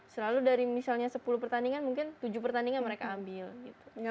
selalu dari misalnya sepuluh pertandingan mungkin tujuh pertandingan mereka ambil gitu